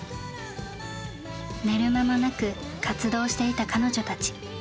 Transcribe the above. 寝る間もなく活動していた彼女たち。